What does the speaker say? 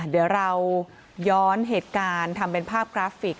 เดี๋ยวเราย้อนเหตุการณ์ทำเป็นภาพกราฟิก